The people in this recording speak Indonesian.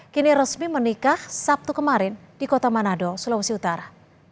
kini resmi menikah sabtu kemarin di kota manado sulawesi utara